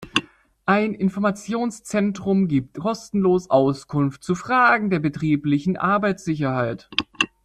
Ein Informationszentrum gibt kostenlos Auskunft zu Fragen der betrieblichen Arbeitssicherheit.